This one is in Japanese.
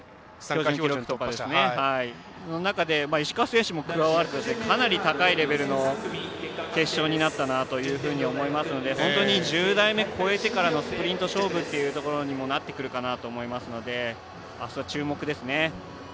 石川選手も加わってかなり高いレベルの決勝になったなというふうに思いますので思いますので本当に１０台目越えてからのスプリント勝負っていうところになってくると思いますのであした、注目ですね。